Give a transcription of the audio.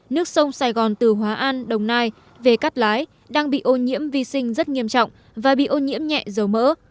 nước sông sài gòn từ hóa an đồng nai về cắt lái đang bị ô nhiễm vi sinh rất nghiêm trọng và bị ô nhiễm nhẹ dầu mỡ